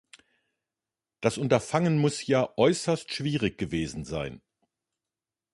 Das Unterfangen muss ja äußerst schwierig gewesen sein.